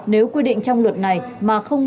nếu quy định trong luật này mà không